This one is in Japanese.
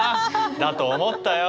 だと思ったよ！